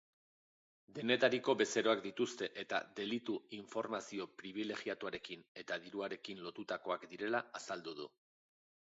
Denetariko bezeroak dituzte eta delitu informazio pribilegiatuarekin eta diruarekin lotutakoak direla azaldu du.